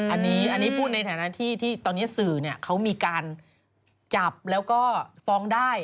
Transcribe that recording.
อันนี้พูดในฐานะที่ตอนนี้สื่อเขามีการจับแล้วก็ฟ้องได้